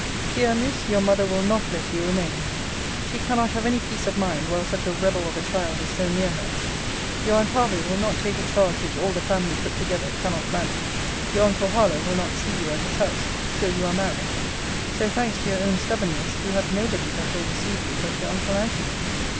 Here, Miss, your mother will not let you remain: she cannot have any peace of mind while such a rebel of a child is so near her. Your aunt Hervey will not take a charge which all the family put together cannot manage. Your uncle Harlowe will not see you at his house, till you are married. So, thanks to your own stubbornness, you have nobody that will receive you but your uncle Antony.